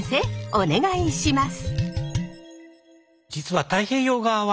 お願いします。